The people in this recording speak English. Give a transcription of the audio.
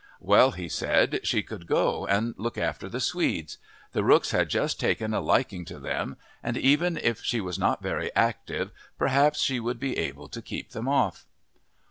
Well, he said, she could go and look after the swedes; the rooks had just taken a liking to them, and even if she was not very active perhaps she would be able to keep them off.